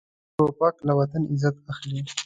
توپک له وطن عزت اخلي.